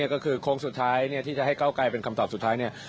ก็คือโค้งสุดท้ายที่จะให้เก้าไกลเป็นคำตอบสุดท้ายเนี่ย